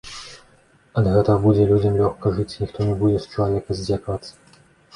Ад гэтага будзе людзям лёгка жыць, і ніхто не будзе з чалавека здзекавацца.